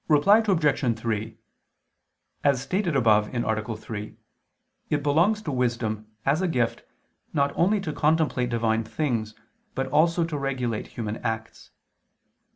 Reply Obj. 3: As stated above (A. 3) it belongs to wisdom, as a gift, not only to contemplate Divine things, but also to regulate human acts.